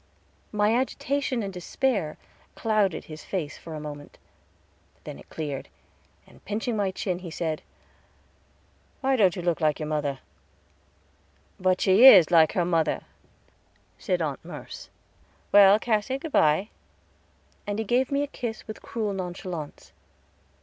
My agitation and despair clouded his face for a moment, then it cleared, and pinching my chin, he said, "Why don't you look like your mother?" "But she is like her mother," said Aunt Merce. "Well, Cassy, good by"; and he gave me a kiss with cruel nonchalance.